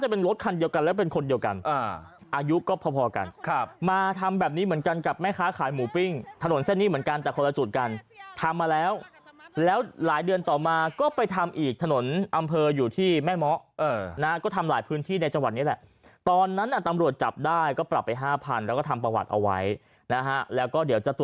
เป็นรถคันเดียวกันแล้วเป็นคนเดียวกันอายุก็พอพอกันครับมาทำแบบนี้เหมือนกันกับแม่ค้าขายหมูปิ้งถนนเส้นนี้เหมือนกันแต่คนละจุดกันทำมาแล้วแล้วหลายเดือนต่อมาก็ไปทำอีกถนนอำเภออยู่ที่แม่เมาะนะก็ทำหลายพื้นที่ในจังหวัดนี้แหละตอนนั้นตำรวจจับได้ก็ปรับไปห้าพันแล้วก็ทำประวัติเอาไว้นะฮะแล้วก็เดี๋ยวจะตัว